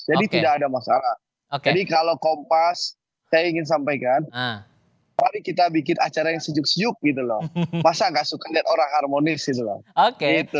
tidak ada masalah jadi kalau kompas saya ingin sampaikan mari kita bikin acara yang sejuk sejuk gitu loh masa nggak suka lihat orang harmonis gitu loh